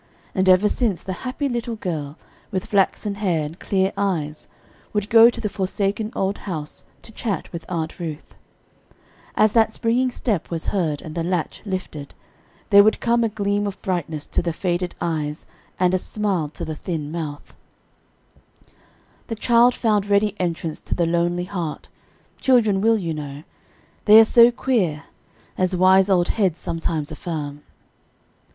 And ever since, the happy little girl, with flaxen hair and clear eyes, would go to the forsaken old house to chat with Aunt Ruth. As that springing step was heard, and the latch lifted, there would come a gleam of brightness to the faded eyes, and a smile to the thin mouth. [Illustration: "A sudden dash of rain had driven the child there for shelter."] The child found ready entrance to the lonely heart; children will, you know, they are so "queer," as wise old heads sometimes affirm.